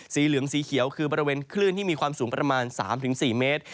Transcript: สีเหลืองสีเขียวคือบริเวณคลื่นที่มีความสูงประมาณ๓๔เมตร